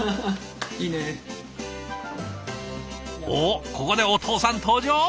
おっここでお父さん登場？